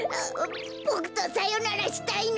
ボクとさよならしたいの？